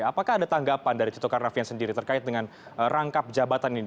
apakah ada tanggapan dari tito karnavian sendiri terkait dengan rangkap jabatan ini